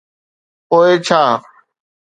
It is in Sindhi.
پوءِ ڇا.